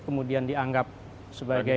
kemudian dianggap sebagai